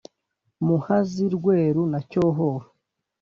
muhazi, rweru na cyohoha,